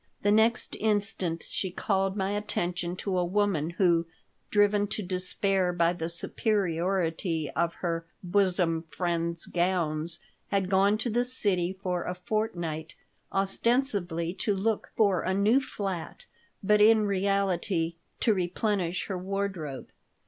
The next instant she called my attention to a woman who, driven to despair by the superiority of her "bosom friend's" gowns, had gone to the city for a fortnight, ostensibly to look for a new flat, but in reality to replenish her wardrobe.